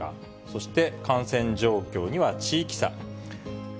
そして、感染状況には地域差。